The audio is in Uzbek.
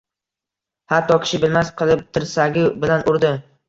Hatto, kishi bilmas qilib, tirsagi bilan urdi.